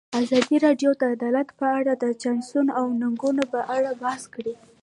ازادي راډیو د عدالت په اړه د چانسونو او ننګونو په اړه بحث کړی.